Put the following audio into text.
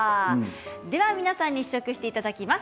では皆さんに試食していただきます。